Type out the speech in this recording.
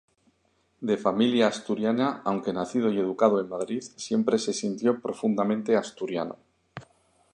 De familia asturiana, aunque nacido y educado en Madrid, siempre se sintió profundamente asturiano.